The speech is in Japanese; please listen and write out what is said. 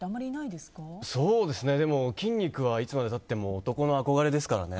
でも、筋肉はいつまで経っても男の憧れですからね。